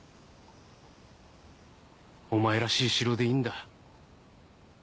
お前らしい城でいいんだ。